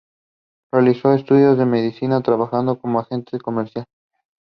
He unearthed two burial vaults of Scythian nobles.